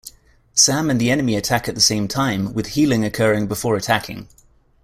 Sam and the enemy attack at the same time, with healing occurring before attacking.